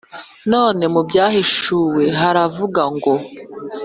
Nanone mu Byahishuwe haravuga ngo